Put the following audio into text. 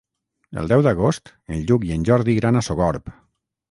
El deu d'agost en Lluc i en Jordi iran a Sogorb.